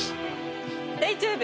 大丈夫。